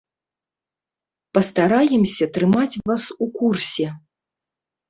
Пастараемся трымаць вас у курсе.